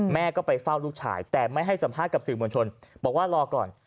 แม่ก็ไปสอบลูกชายแต่ไม่ให้สัมภาษณ์กับสินบริมทรวณบอกว่ารอก่อน